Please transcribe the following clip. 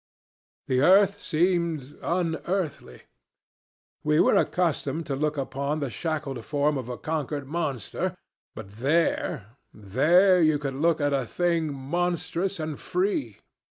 "The earth seemed unearthly. We are accustomed to look upon the shackled form of a conquered monster, but there there you could look at a thing monstrous and free.